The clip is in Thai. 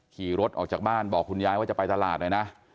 ขี่รถออกจากบ้านบอกคุณยายว่าจะไปตลาดเลยนะ